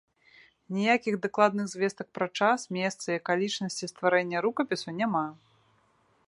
Ніякіх дакладных звестак пра час, месца і акалічнасці стварэння рукапісу няма.